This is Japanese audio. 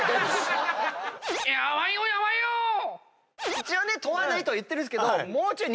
一応ね問わないとは言ってるんですけど。